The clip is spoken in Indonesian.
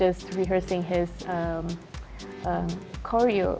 dia sedang mengadakan koreo